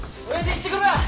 行ってくるわ！